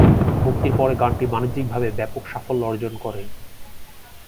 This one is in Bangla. মুক্তির পরে গানটি বাণিজ্যিকভাবে ব্যাপক সাফল্য অর্জন করে।